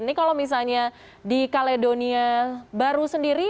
ini kalau misalnya di kaledonia baru sendiri